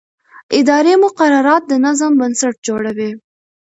اداري مقررات د نظم بنسټ جوړوي.